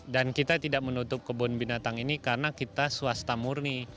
dan kita tidak menutup kebun binatang ini karena kita swasta murni